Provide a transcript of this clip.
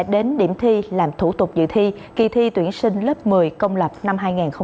đến điểm thi làm thủ tục dự thi kỳ thi tuyển sinh lớp một mươi công lập năm hai nghìn hai mươi